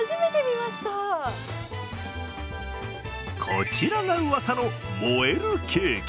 こちらがうわさの燃えるケーキ